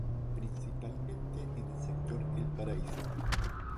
Principalmente en el sector El Paraíso.